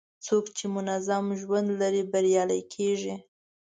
څوک چې منظم ژوند لري، بریالی کېږي.